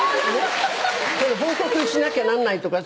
「けど報告しなきゃなんないとか」